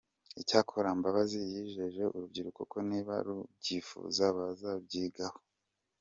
Icyakora, Mbabazi yijeje urubyiruko ko niba rubyifuza bazabyigaho.